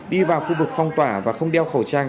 đi vào khu vực phong tỏa và không đeo khẩu trang